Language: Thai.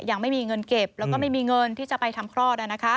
ยังไม่มีเงินเก็บแล้วก็ไม่มีเงินที่จะไปทำคลอด